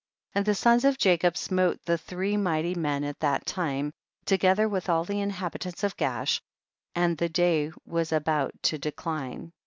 64. And the sons of Jacob smote the three miglity men at that time, together willi all the inhabitants of Gaash, and the day was about to de cline.